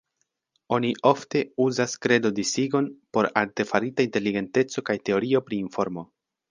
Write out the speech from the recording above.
Oni ofte uzas Kredo-disigon por artefarita inteligenteco kaj teorio pri informo.